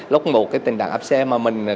lúc một tình trạng áp xe mà mình khó khăn